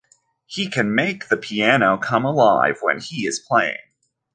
He can make the piano come alive when he is playing.